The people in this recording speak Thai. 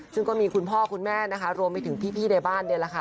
ซึ่งก็มีคุณพ่อคุณแม่นะคะรวมไปถึงพี่ในบ้านเนี่ยแหละค่ะ